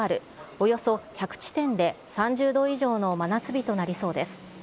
およそ１００地点で３０度以上の真夏日となりそうです。